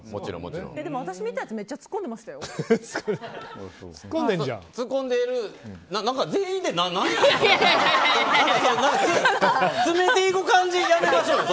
私見たやつめっちゃツッコんでましたよ？